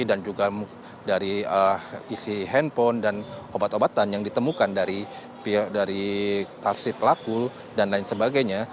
juga dari isi handphone dan obat obatan yang ditemukan dari tasif pelaku dan lain sebagainya